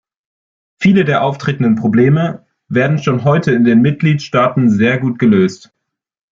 Viele der auftretenden Probleme werden schon heute in den Mitgliedstaaten sehr gut gelöst.